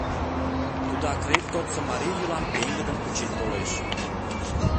Тудо акрет годсо марий йӱлам пеҥгыдын кучен толеш...